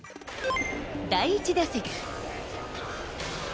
第１打席。